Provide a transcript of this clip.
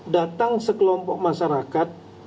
datang sekelompok masyarakat